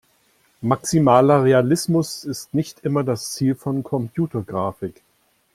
Maximaler Realismus ist nicht immer das Ziel von Computergrafik.